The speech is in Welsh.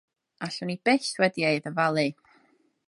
Allwn i byth wedi ei ddyfalu.